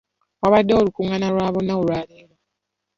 Wabaddewo olukungaana lwa bonna olwaleero.